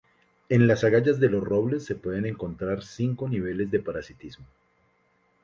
En las agallas de los robles se pueden encontrar cinco niveles de parasitismo.